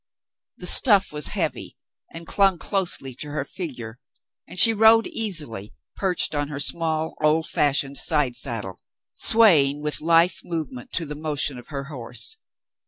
The stuff was heavy and clung closely to her figure, and she rode easily, perched on her small, old fashioned side saddle, swaying with lithe move ment to the motion of her horse.